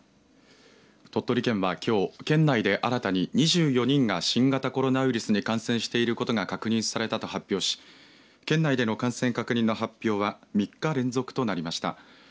鳥取県は、きょう県内で新たに２４人が新型コロナウイルスに感染していることが確認されたと発表し、県内での感染確認の発表は３日連続となりました。